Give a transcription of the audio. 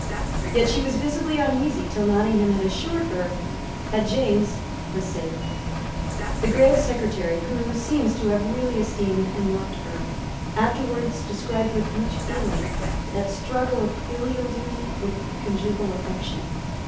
Yet she was visibly uneasy till Nottingham had assured her that James was safe. The grave Secretary, who seems to have really esteemed and loved her, afterwards described with much feeling that struggle of filial duty with conjugal affection.